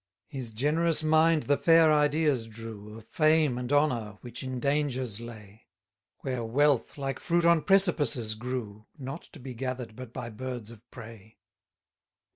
11 His generous mind the fair ideas drew Of fame and honour, which in dangers lay; Where wealth, like fruit on precipices, grew, Not to be gather'd but by birds of prey.